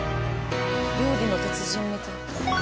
『料理の鉄人』みたい。